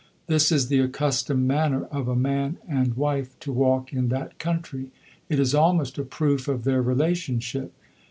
This is the accustomed manner of a man and wife to walk in that country. It is almost a proof of their relationship.